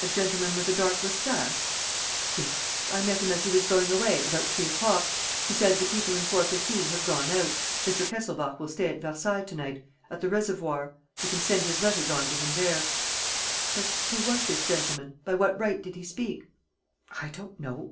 "A gentleman with a dark mustache?" "Yes. I met him as he was going away, about three o'clock. He said: 'The people in 415 have gone out. Mr. Kesselbach will stay at Versailles to night, at the Reservoirs; you can send his letters on to him there.'" "But who was this gentleman? By what right did he speak?" "I don't know."